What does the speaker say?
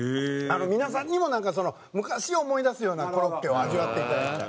皆さんにもなんかその昔を思い出すようなコロッケを味わっていただきたい。